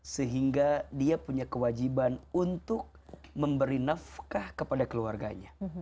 sehingga dia punya kewajiban untuk memberi nafkah kepada keluarganya